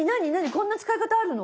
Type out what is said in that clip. こんな使い方あるの？